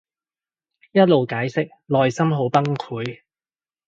一路解釋內心好崩潰